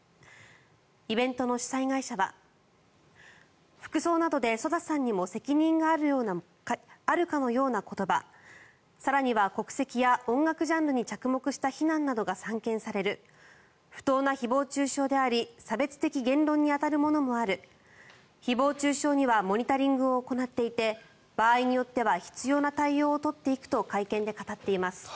イベントの主催会社は服装などでＳＯＤＡさんにも責任があるかのような言葉更には国籍や音楽ジャンルに着目した非難などが散見される不当な誹謗・中傷であり差別的言論に当たるものもある誹謗・中傷にはモニタリングを行っていて場合によっては必要な対応を取っていくと会見で語っています。